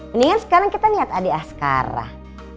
mendingan sekarang kita lihat adik askarah